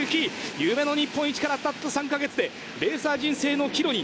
夢の日本一から、たった３か月で、レーサー人生の岐路に。